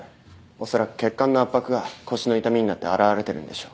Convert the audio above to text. おそらく血管の圧迫が腰の痛みになって表れてるんでしょう。